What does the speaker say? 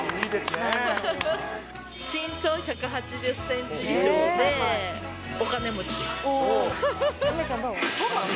身長１８０センチ以上で、くそだな。